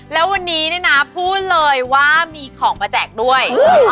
แล้ววันนี้พูดเลยว่ามีของมาแจกด้วย